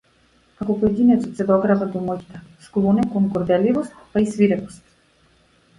Ако поединецот се дограба до моќта, склон е кон горделивост па и свирепост.